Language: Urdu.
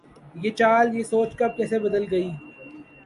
یہ چال، یہ سوچ کب‘ کیسے بدلے گی؟